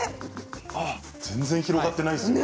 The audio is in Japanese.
全然広がっていないですね。